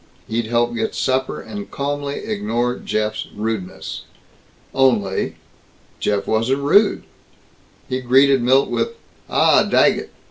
He'd help get supper, and calmly ignore Jeff's rudeness. Only Jeff wasn't rude. He greeted Milt with, "Ah, Daggett!